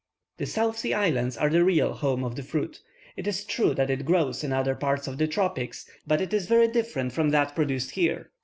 The South Sea Islands are the real home of the fruit. It is true that it grows in other parts of the tropics, but it is very different from that produced here.